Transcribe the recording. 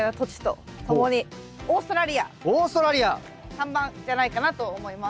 ３番じゃないかなと思います。